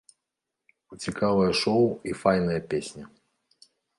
Цікавае шоў і файная песня.